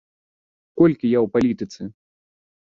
Колькі я ў палітыцы?